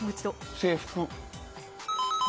制服？